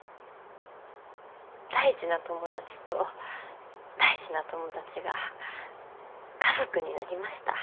大事な友達と大事な友達が家族になりました。